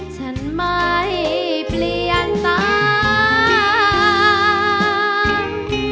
ฉันไม่เปลี่ยนตาม